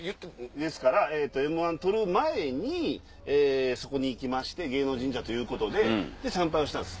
ですから『Ｍ−１』取る前にそこに行きまして芸能神社ということで参拝をしたんです。